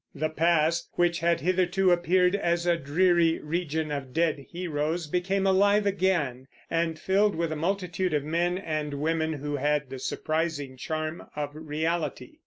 The past, which had hitherto appeared as a dreary region of dead heroes, became alive again, and filled with a multitude of men and women who had the surprising charm of reality.